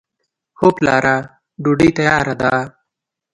هو پلاره! ډوډۍ تیاره ده.